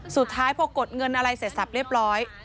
สุดท้ายพอกดเงินอะไรเสร็จสับเรียบร้อย